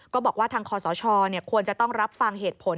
ก็บอกว่าทางคอสชควรจะต้องรับฟังเหตุผล